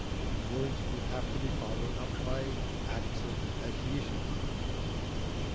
And words would have to be followed up by acts of adhesion.